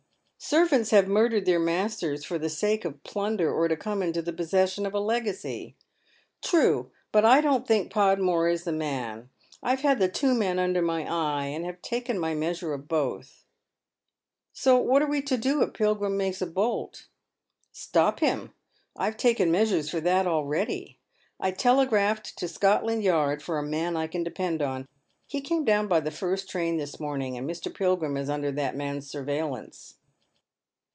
" Servants have murdered their masters for the sake of plun der, or to come into the possession of a legacy." " True, but I don't think Podmore is the man. I have had tha two men under my eye, and have taken my measure of both." " What are we to do if Pilgiira makes a bolt V "" Stop him. I've taken measures i'or that already. I tele graphed to Scotland Yard for a man I can depend upon. He came down by tbe first train this morning, and Mr. P)'^;rira il Mr. Levisnn Cross examines, 359 Under that Tn<an'3 Rurveillance.